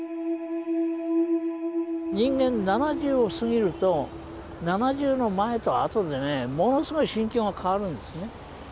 人間７０を過ぎると７０の前と後でねものすごい心境が変わるんですね。